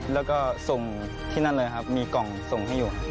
แล้วก็ส่งที่นั่นเลยครับมีกล่องส่งให้อยู่